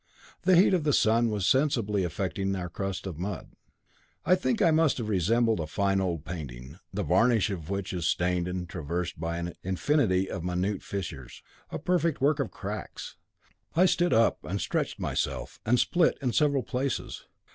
The heat of the sun was sensibly affecting my crust of mud. I think I must have resembled a fine old painting, the varnish of which is stained and traversed by an infinity of minute fissures, a perfect network of cracks. I stood up and stretched myself, and split in several places.